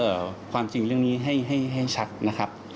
ก็ต้องตรวจสอบความจริงเรื่องนี้ให้ชักนะครับ